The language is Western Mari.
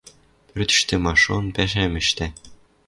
Пӧртӹштӹ ма-шон пӓшӓм ӹштӓ;